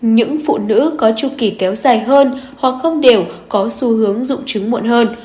những phụ nữ có chu kỳ kéo dài hơn hoặc không đều có xu hướng dụng chứng muộn hơn